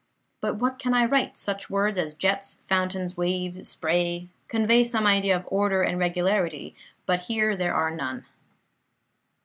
But what can I write? Such words as jets, fountains, waves, spray, convey some idea of order and regularity, but here there are none.